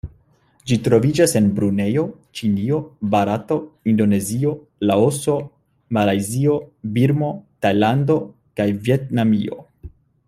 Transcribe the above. Ĝi troviĝas en Brunejo, Ĉinio, Barato, Indonezio, Laoso, Malajzio, Birmo, Tajlando kaj Vjetnamio.